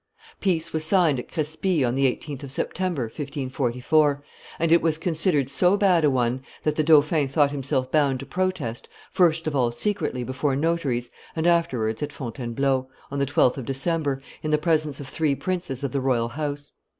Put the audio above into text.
Peace was signed at Crespy on the 18th of September, 1544; and it was considered so bad an one that the dauphin thought himself bound to protest, first of all secretly before notaries and afterwards at Fontainebleau, on the 12th of December, in the presence of three princes of the royal house.